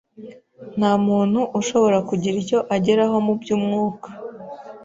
Nta muntu ushobora kugira icyo ageraho mu by’umwuka